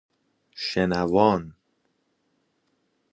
شنوان